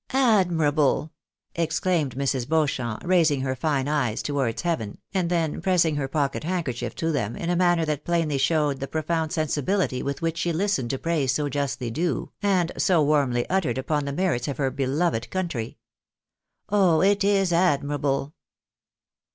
" Admirable !" exclaimed Mrs. Beauchamp, raising her fine eyes towards heaven, and then pressing her pocket handkerchief to them, in a manner that plainly showed the profound sensibility with which she listened to praise so justly due, and so warmly uttered upon tlie merits of her beloved country. " Oh, it is ad mirable